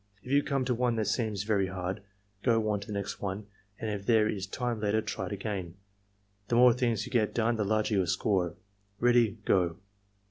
If you come to one that seems very hard, go onto the next one, and if there is time later try it a^ain. The more things you get done the larger your score. Ready — Go."